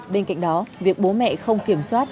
bên cạnh đó việc bố mẹ không kiểm soát